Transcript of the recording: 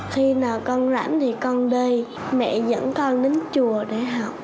khi nào con rảnh thì con đi mẹ dẫn con đến chùa để học